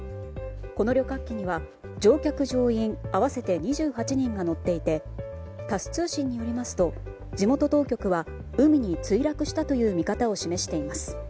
この旅客機には乗客・乗員合わせて２８人が乗っていてタス通信によりますと地元当局は海に墜落したという見方を示しています。